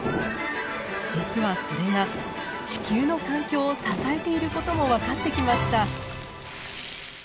実はそれが地球の環境を支えていることも分かってきました。